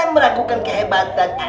jangan meragukan kehebatan enak jair